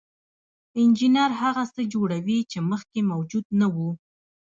انجینر هغه څه جوړوي چې مخکې موجود نه وو.